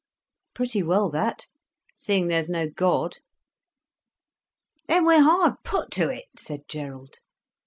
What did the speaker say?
"Pretty well that—seeing there's no God." "Then we're hard put to it," said Gerald.